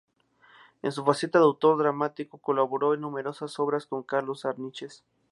En su faceta de autor dramático colaboró en numerosas obras con Carlos Arniches.